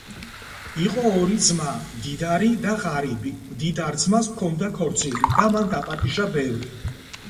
იყო ორი ძმა მდიდარი და ღარიბი მდიდარ ძმას ჰქონდა ქორწილი და მან დაპატიჟა ბევრი